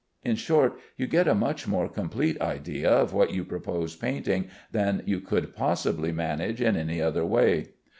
In short, you get a much more complete idea of what you propose painting than you could possibly manage in any other way.